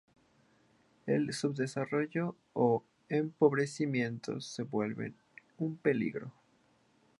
El subdesarrollo o empobrecimiento se vuelven un peligro.